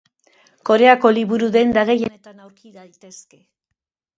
Koreako liburu-denda gehienetan aurki daitezke.